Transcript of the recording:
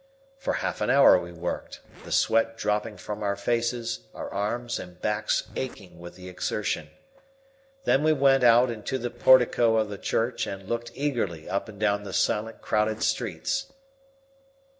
For half an hour we worked, the sweat dropping from our faces, our arms and backs aching with the exertion. Then we went out into the portico of the church and looked eagerly up and down the silent, crowded streets.